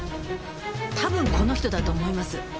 多分この人だと思います。